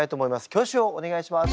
挙手をお願いします。